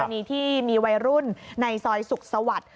อันนี้ที่มีวัยรุ่นในซอยสุขสวัสดิ์